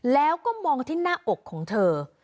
แล้วก็มองที่หน้าอกของเธอ